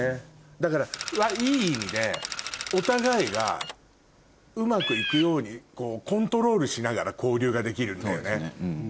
だからいい意味でお互いがうまくいくようにコントロールしながら交流ができるんだよね。